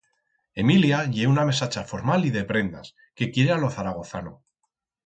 Emilia ye una mesacha formal y de prendas, que quiere a lo zaragozano.